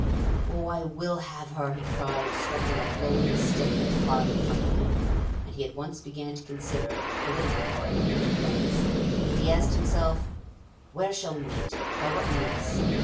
"Oh, I will have her," he cried, striking a blow with his stick at a clod in front of him. And he at once began to consider the political part of the enterprise. He asked himself "Where shall we meet? By what means?